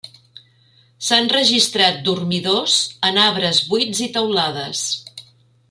S'han registrat dormidors en arbres buits i teulades.